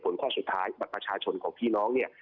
ข้อสุดท้ายบัตรประชาชนของพี่น้องเนี่ย